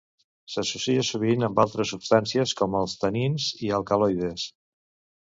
S'associa sovint amb altres substàncies, com els tanins i alcaloides.